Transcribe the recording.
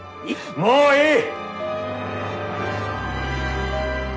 もういい！